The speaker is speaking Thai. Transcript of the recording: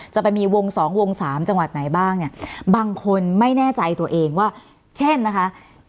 จะมีวงสองวงสามจังหวัดไหนบ้างเนี่ยบางคนไม่แน่ใจตัวเองว่าเช่นนะคะ